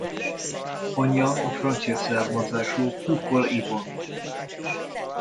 Anyja a francia származású Foucault Yvonne.